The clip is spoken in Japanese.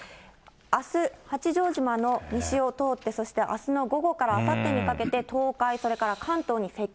あす、八丈島の西を通って、そしてあすの午後からあさってにかけて、東海、それから関東に接近。